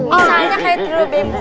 misalnya kayak terlalu bebek yaa